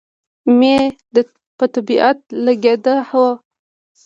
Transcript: مې په طبیعت لګېده، هو.